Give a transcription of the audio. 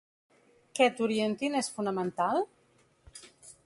Què t’orientin és fonamental?